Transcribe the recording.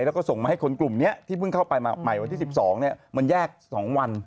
แล้วก็ส่งมาให้คนกลุ่มนี้ที่เพิ่งเข้าไปใหม่วันที่๑๒มันแยก๒วัน